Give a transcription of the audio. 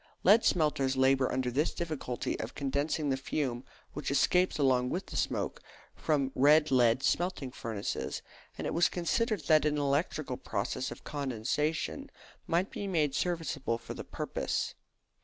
Lead smelters labour under this difficulty of condensing the fume which escapes along with the smoke from red lead smelting furnaces; and it was considered that an electrical process of condensation might be made serviceable for the purpose.